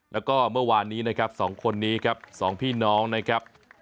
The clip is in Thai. แล้วก็เมื่อวานนี้นะครับ๒คนนี้ครับสองพี่น้องนะครับ